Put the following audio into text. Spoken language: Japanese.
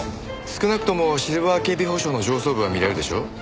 少なくともシルバー警備保障の上層部は見れるでしょう？